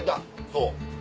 そう。